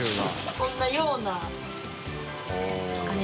こんなような。おっ。